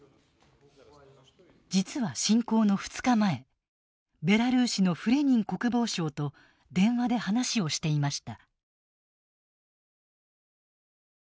実は侵攻の２日前ベラルーシのフレニン国防相と電話で話をしていました。